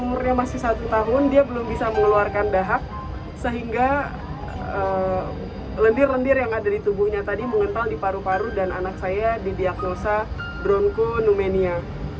umurnya masih satu tahun dia belum bisa mengeluarkan dahak sehingga lendir lendir yang ada di tubuhnya tadi mengental di paru paru dan anak saya didiagnosa bronconumenia